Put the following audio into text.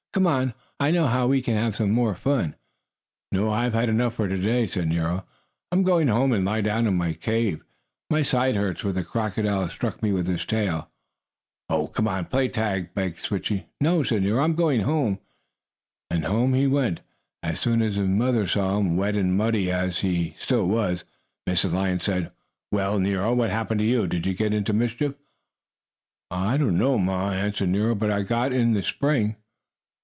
"Come on; I know how we can have some more fun." "No, I've had enough for to day," said Nero. "I'm going home and lie down in the cave. My side hurts where the crocodile struck me with his tail." "Oh, come on! Play tag!" begged Switchie. "No," said Nero. "I'm going home." And home he went. As soon as his mother saw him, wet and muddy as he still was, Mrs. Lion said: "Well, Nero, what happened to you? Did you get into mischief?" "I don't know, Ma," answered Nero. "But I got in the spring!"